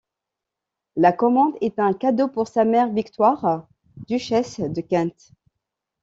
La commande est un cadeau pour sa mère Victoire, duchesse de Kent.